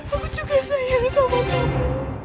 ibu juga sayang sama kamu